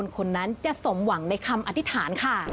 คนนั้นจะสมหวังในคำอธิษฐานค่ะ